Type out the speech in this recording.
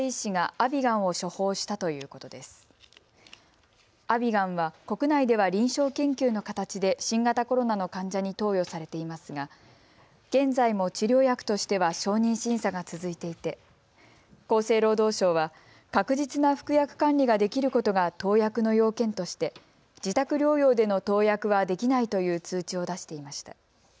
アビガンは国内では臨床研究の形で新型コロナの患者に投与されていますが現在も治療薬としては承認審査が続いていて厚生労働省は確実な服薬管理ができることが投薬の要件として自宅療養での投薬はできないという通知を出していました。